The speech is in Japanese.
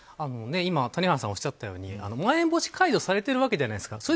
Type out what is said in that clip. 今谷原さんがおっしゃったようにまん延防止、解除されているわけじゃないですか。